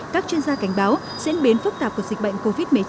các chuyên gia cảnh báo diễn biến phức tạp của dịch bệnh covid một mươi chín